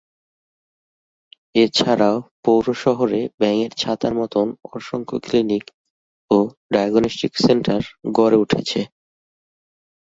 এছাড়াও পৌর শহরে ব্যাঙের ছাতার মতন অসংখ্য ক্লিনিক ও ডায়াগনস্টিক সেন্টার গড়ে উঠেছে।